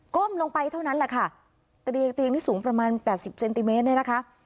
้มลงไปเท่านั้นแหละค่ะเตียงเตียงนี่สูงประมาณแปดสิบเซนติเมตรเนี่ยนะคะ